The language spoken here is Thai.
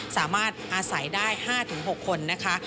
สามารถอาศัยได้๕๖คนนะคะ